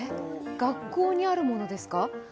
学校にあるものですか？